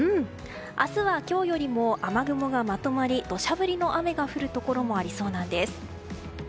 明日は今日よりも雨雲がまとまり土砂降りの雨が降るところもありそうなんです。